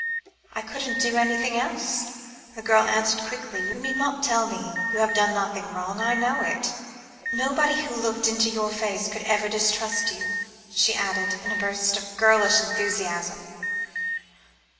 "I couldn't do anything else," the girl answered quickly; "you need not tell me you have done nothing wrong; I know it. Nobody who looked into your face could ever distrust you," she added, in a burst of girlish enthusiasm.